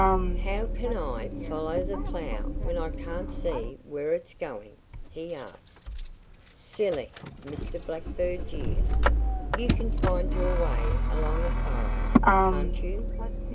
"How can I follow the plough when I can't see where it's going?" he asked. "Silly!" Mr. Blackbird jeered. "You can find your way along a furrow, can't you?"